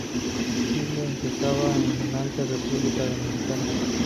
Chile empezaba en la ante República Dominicana.